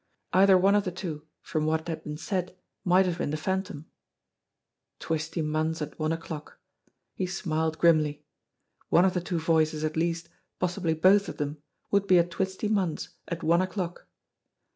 Either one of the two, from what had been said, might have been the Phantom. Twisty Munn's at one o'clock! He smiled grimly. One of the two voices at least, possibly both of them, would be at Twisty Munn's at one o'clock.